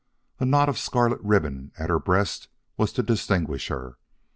A knot of scarlet ribbon at her breast was to distinguish her.